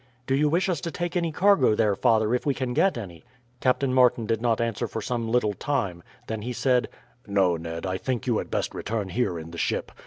"Do you wish us to take any cargo there, father, if we can get any?" Captain Martin did not answer for some little time, then he said: "No, Ned, I think you had best return here in the ship.